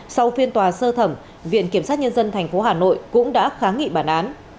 sau phiên tòa sơ thẩm viện kiểm sát nhân dân tp hà nội cũng đã kháng nghị bản án